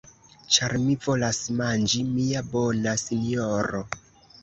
Ĉar mi volas manĝi, mia bona sinjoro.